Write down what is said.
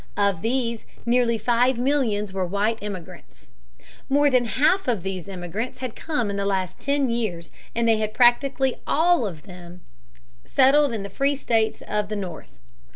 Of these nearly five millions were white immigrants. More than half of these immigrants had come in the last ten years, and they had practically all of them settled in the free states of the North.